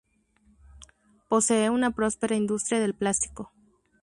Posee una próspera industria del plástico.